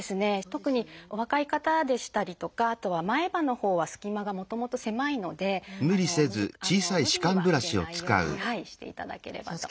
特にお若い方でしたりとかあとは前歯のほうはすき間がもともと狭いので無理には入れないようにしていただければと。